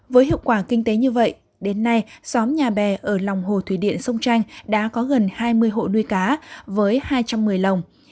với hiệu quả kinh tế như vậy đến nay xóm nhà bè ở lòng hồ thủy điện sông chanh đã có gần hai mươi hộ nuôi cá với hai trăm một mươi lồng